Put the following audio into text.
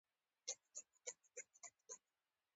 د هر کار په شروع کښي بسم الله ویل مه هېروئ!